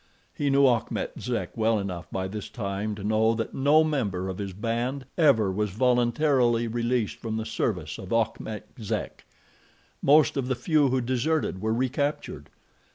He knew Achmet Zek well enough by this time to know that no member of his band ever was voluntarily released from the service of Achmet Zek. Most of the few who deserted were recaptured.